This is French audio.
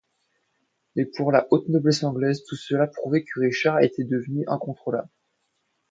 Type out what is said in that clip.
Mais pour la haute noblesse anglaise tout cela prouvait que Richard était devenu incontrôlable.